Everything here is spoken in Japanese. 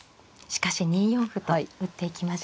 しかし２四歩と打っていきました。